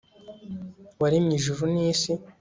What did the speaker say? waremye ijuru n'isi